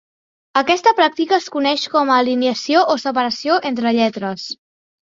Aquesta pràctica es coneix com a alineació o separació entre lletres.